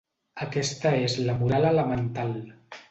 Aquesta és la moral elemental.